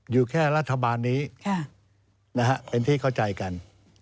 อยู่แค่รัฐบาลนี้เป็นที่เข้าใจกัน